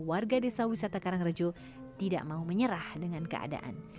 warga desa wisata karangrejo tidak mau menyerah dengan keadaan